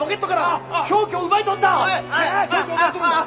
さあ凶器を奪い取るんだ！